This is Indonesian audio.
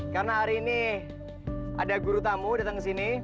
karena hari ini ada guru tamu datang kesini